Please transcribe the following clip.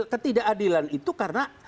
ketidakadilan itu karena